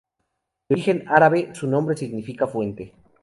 De origen árabe, su nombre significa fuente.